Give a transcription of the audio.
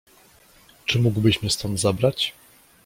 "Czy mógłbyś mnie stąd zabrać?"